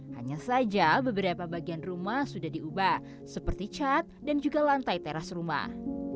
hanya saja beberapa bagian rumah sudah diubah seperti cat dan juga lantai teras rumah